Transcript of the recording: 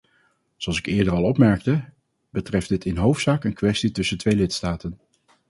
Zoals ik al eerder opmerkte, betreft dit in hoofdzaak een kwestie tussen twee lidstaten.